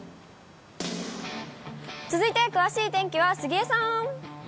続いて詳しい天気は杉江さん。